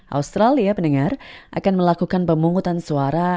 australia pendengar akan melakukan pemungutan suara